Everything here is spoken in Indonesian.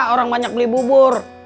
orang banyak beli bubur